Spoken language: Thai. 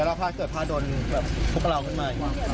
แล้วถ้าเกิดผ้าดนพวกเราก็ไม่